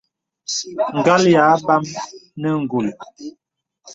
Ngàl yā àbam nə ngùl.